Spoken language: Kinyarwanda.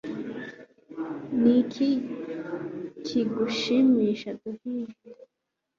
Ni iki kigushimisha David